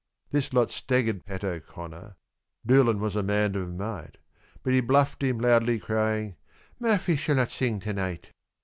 This lot staggered Pat O'Connor, Doolan was a man of might; But he bluffed him, loudly crying, "Murphy shall not sing to night."